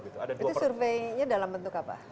itu surveinya dalam bentuk apa